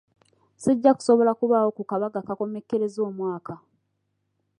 Sijja kusobola kubaawo ku kabaga akakomekkereza omwaka.